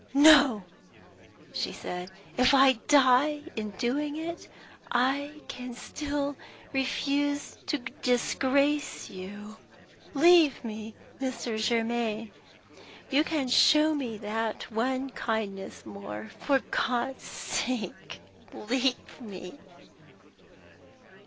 "No!" she said. "If I die in doing it, I can still refuse to disgrace you. Leave me, Mr. Germaine. You can show me that one kindness more. For God's sake, leave me!"